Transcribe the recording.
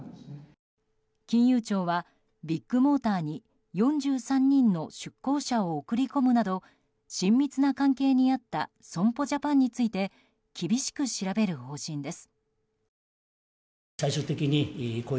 金融庁はビッグモーターに４３人の出向者を送るなど親密な関係にあった損保ジャパンについて厳しく調べる方針です。